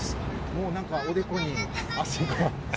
もうなんかおでこに汗が。